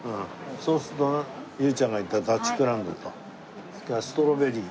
そうすると優ちゃんが言ったダッチクランブルとそれからストロベリー。